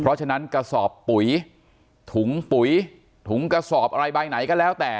เพราะฉะนั้นกระสอบปุ๋ยถุงปุ๋ยถุงกระสอบอะไรใบไหนก็แล้วแต่